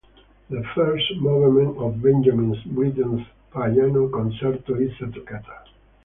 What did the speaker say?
The first movement of Benjamin Britten's Piano Concerto is a toccata.